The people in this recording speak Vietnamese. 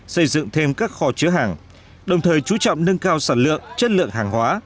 xây dựng thêm các kho chứa hàng đồng thời chú trọng nâng cao sản lượng chất lượng hàng hóa